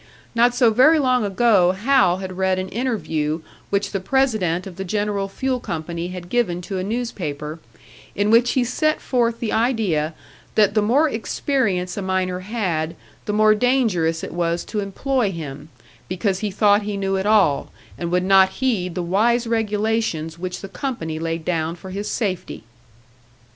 Not so very long ago Hal had read an interview which the president of the General Fuel Company had given to a newspaper, in which he set forth the idea that the more experience a miner had the more dangerous it was to employ him, because he thought he knew it all, and would not heed the wise regulations which the company laid down for his safety!